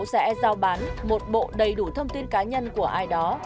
sẽ giao bán một bộ đầy đủ thông tin cá nhân của ai đó